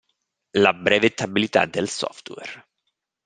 La brevettabilità del software.